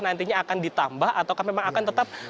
nantinya akan ditambah atau memang akan tetap